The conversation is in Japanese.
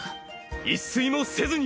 一睡もせずに。